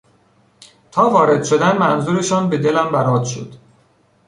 تا وارد شدند منظورشان به دلم برات شد.